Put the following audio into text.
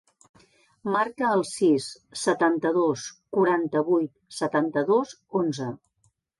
Marca el sis, setanta-dos, quaranta-vuit, setanta-dos, onze.